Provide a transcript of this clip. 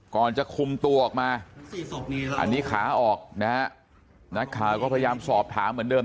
ก่อนจะคุมตัวออกมาอันนี้ขาออกนะฮะนักข่าวก็พยายามสอบถามเหมือนเดิม